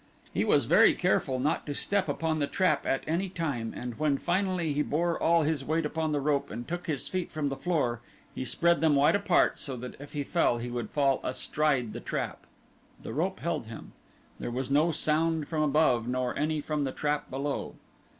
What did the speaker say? He was very careful not to step upon the trap at any time and when finally he bore all his weight upon the rope and took his feet from the floor he spread them wide apart so that if he fell he would fall astride the trap. The rope held him. There was no sound from above, nor any from the trap below.